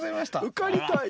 うかりたい。